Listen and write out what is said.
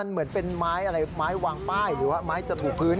เหมือนเป็นไม้อะไรไม้วางป้ายหรือว่าไม้จะถูกพื้น